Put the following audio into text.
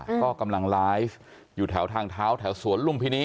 ก็กำลังไลฟ์อยู่แถวทางเท้าแถวสวนลุมพินี